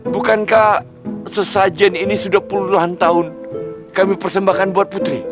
bukankah sesajen ini sudah puluhan tahun kami persembahkan buat putri